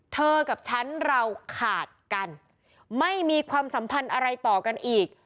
กับฉันเราขาดกันไม่มีความสัมพันธ์อะไรต่อกันอีก